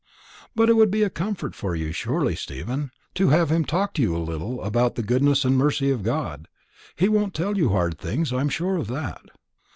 "But it would be a comfort to you, surely, Stephen, to have him talk to you a little about the goodness and mercy of God. He won't tell you hard things, I'm sure of that."